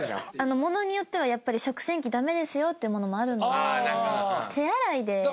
物によってはやっぱり食洗機駄目っていう物もあるので手洗いで。